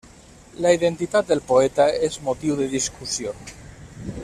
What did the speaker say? La identitat del poeta és motiu de discussió.